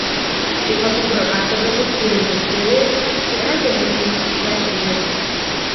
Because of her activism during this period, she earned the nickname Red Rita.